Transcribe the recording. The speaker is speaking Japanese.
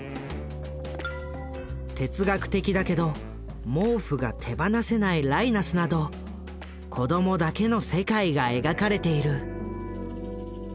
哲学的だけど毛布が手放せないライナスなど子供だけの世界が描かれている。